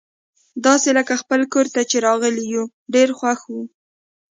داسي لکه خپل کور ته چي راغلي یو، ډېر خوښ وو.